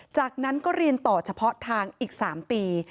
จากนั้นก็เรียนต่อเฉพาะทางอีก๓ปี